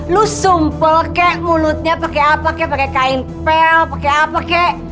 lo sumpel kek mulutnya pake apa kek pake kain pel pake apa kek